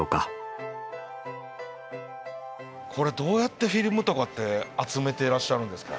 どうやってフィルムとかって集めてらっしゃるんですか？